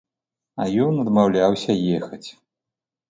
А ён адмаўляўся ехаць.